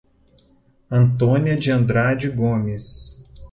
Antônia de Andrade Gomes